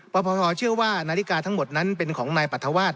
พทเชื่อว่านาฬิกาทั้งหมดนั้นเป็นของนายปรัฐวาส